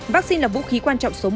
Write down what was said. vaccine là vũ khí quan trọng số một